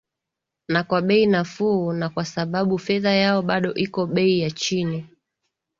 na kwa bei nafuu na kwa sababu fedha yao bado iko bei ya chini